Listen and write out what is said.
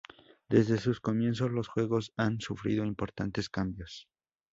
Desde sus comienzos los Juegos han sufrido importantes cambios.